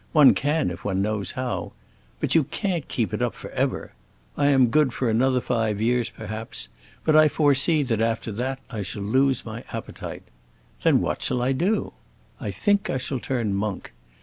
One can, if one knows how. But you can't keep it up forever. I am good for another five years, perhaps, but I foresee that after that I shall lose my appetite. Then what shall I do? I think I shall turn monk.